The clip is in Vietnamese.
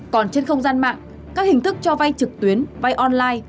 còn trên không gian mạng các hình thức cho vay trực tuyến vay online